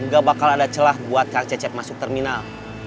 gak bakal ada celah buat kang cecep masuk terminal